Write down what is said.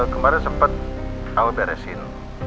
kemarin sempet al beresin